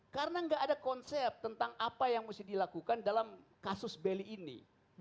karena enggak ada konsep tentang apa yang harus dilakukan dalam kasus beli ini